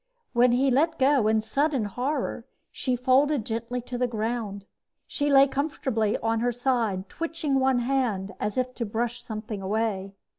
When he let go in sudden horror, she folded gently to the ground. She lay comfortably on her side, twitching one hand as if to brush something away.